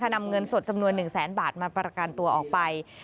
นำเงินสดจำนวน๑แสนบาทมาประกันตัวออกไป